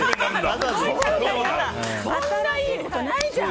あんないいことないじゃん！